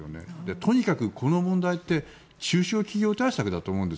とにかくこの問題って中小企業対策だと思うんです。